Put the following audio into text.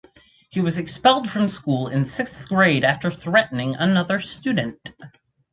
He was expelled from school in sixth grade after threatening another student.